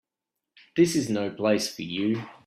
This is no place for you.